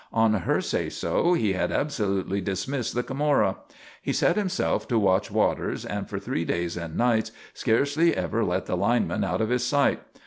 On her say so, he had absolutely dismissed the Camorra. He set himself to watch Waters and for three days and nights scarcely ever let the lineman out of his sight.